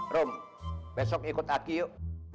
rom besok ikut aki yuk